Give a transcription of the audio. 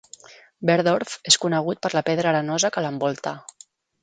Berdorf és conegut per la pedra arenosa que l'envolta.